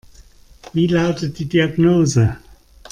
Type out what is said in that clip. Wie lautet die Diagnose?